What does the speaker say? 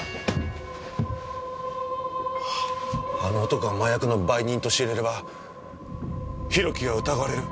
あの男が麻薬の売人と知れれば博貴が疑われる。